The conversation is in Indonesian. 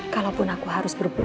kalaupun aku harus berbohong